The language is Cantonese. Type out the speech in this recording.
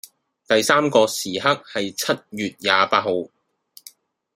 第三個時刻係七月廿八號